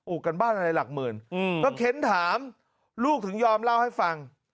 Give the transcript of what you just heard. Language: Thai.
กันบ้านอะไรหลักหมื่นก็เค้นถามลูกถึงยอมเล่าให้ฟัง